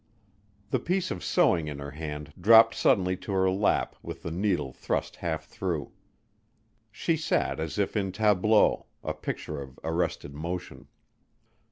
The piece of sewing in her hand dropped suddenly to her lap with the needle thrust half through. She sat as if in tableau a picture of arrested motion.